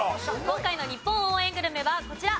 今回の日本応援グルメはこちら。